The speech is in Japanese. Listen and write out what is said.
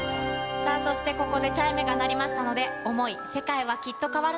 さあ、そしてここでチャイムが鳴りましたので、想い世界は、きっと変わる。